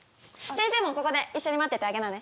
先生もここで一緒に待っててあげなね。